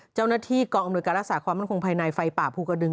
เจ้าหน้าที่กองอำนวยการรักษาความมั่นคงภายในไฟป่าภูกระดึง